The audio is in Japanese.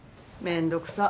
めんどくさ。